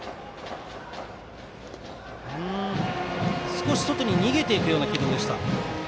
少し外に逃げていくような軌道でした。